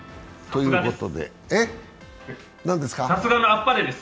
さすがのあっぱれです。